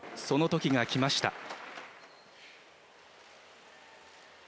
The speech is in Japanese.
そのときがきました。